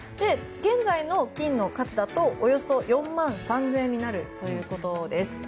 現在の金の価値だとおよそ４万３０００円になるということです。